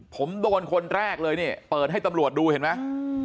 ผมโดนคนแรกเลยนี่เปิดให้ตำรวจดูเห็นไหม